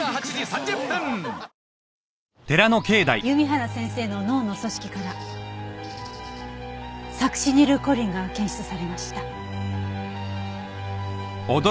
弓原先生の脳の組織からサクシニルコリンが検出されました。